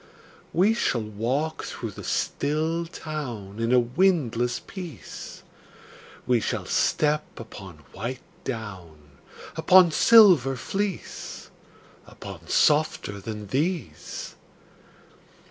We shall walk through the still town In a windless peace; We shall step upon white down, Upon silver fleece, Upon softer than these.